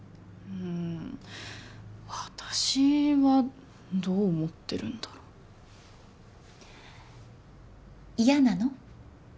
うーん私はどう思ってるんだろう嫌なの？